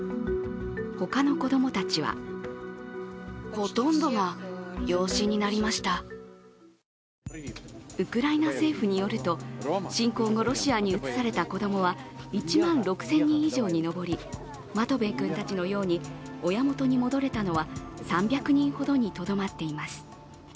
他の子供たちはウクライナ政府によると、侵攻後ロシアに移された子供は１万６０００人以上に上りマトベイ君たちのように親元に戻れたのは３００人ほどにとどまっています。